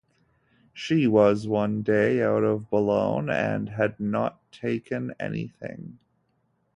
She was one day out of Boulogne and had not taken anything.